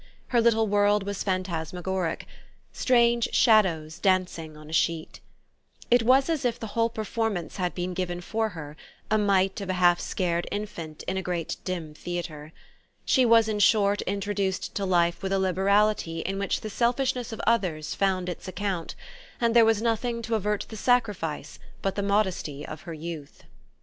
Her little world was phantasmagoric strange shadows dancing on a sheet. It was as if the whole performance had been given for her a mite of a half scared infant in a great dim theatre. She was in short introduced to life with a liberality in which the selfishness of others found its account, and there was nothing to avert the sacrifice but the modesty of her youth.